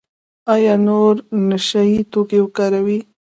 ایا نور نشه یي توکي کاروئ؟